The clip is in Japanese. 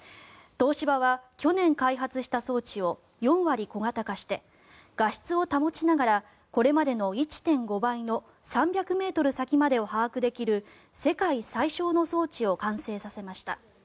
東芝は去年開発した装置を４割小型化して画質を保ちながらこれまでの１．５倍の３００ｍ先までを把握できる世界最小の装置を完成させました。